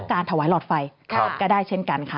การถวายหลอดไฟก็ได้เช่นกันค่ะ